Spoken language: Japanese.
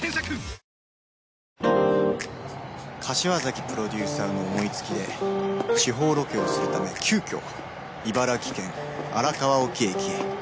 直人：柏崎プロデューサーの思いつきで地方ロケをするため急きょ茨城県荒川沖駅へ。